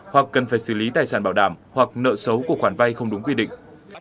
hoặc cần phải xử lý tài sản bảo đảm hoặc nợ xấu của khoản vay không đúng quy định